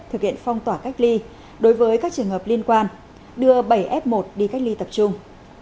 thực hiện phong tỏa cách ly đối với các trường hợp liên quan đưa bảy f một đi cách ly tập trung